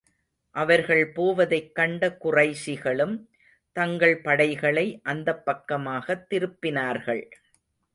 அவர்கள் போவதைக் கண்ட குறைஷிகளும் தங்கள் படைகளை அந்தப் பக்கமாகத் திருப்பினார்கள்.